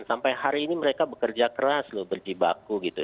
sampai hari ini mereka bekerja keras berdibaku